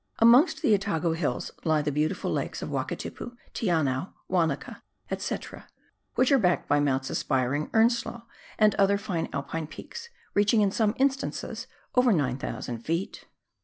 Amongst the Otago hills lie the beautiful lakes of Wakitipu, Te Anau, "Wanaka, &c., which are backed by Mounts Aspiring, Earnslaw, and other fine Alpine peaks, reaching in some instances over 9,000 ft.